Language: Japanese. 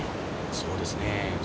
そうですね